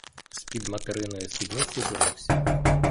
З-під материної спідниці вирвався.